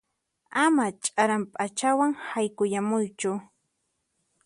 Ama ch'aran p'achawan haykuyamuychu.